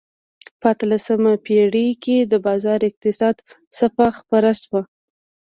په اتلسمه پېړۍ کې د بازار اقتصاد څپه خپره شوه.